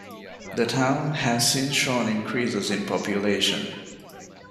The town has since shown increases in population.